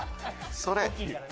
それ！